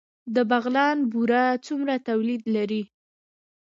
د بغلان بوره څومره تولید لري؟